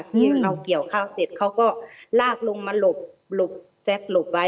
ที่เราเกี่ยวข้าวเสร็จเขาก็ลากลุงมาหลบหลบแซ็กหลบไว้